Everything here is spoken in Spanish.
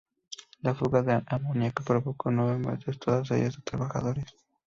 La fuga de amoniaco provocó nueve muertes, todas ellas de trabajadores.